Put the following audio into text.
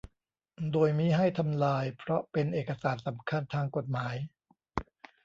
โดยมิให้ทำลายเพราะเป็นเอกสารสำคัญทางกฎหมาย